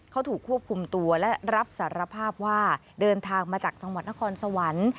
เขาถูกควบคุมตัวและรับสารภาพว่าเดินทางมาจากจังหวัดนครสวรรค์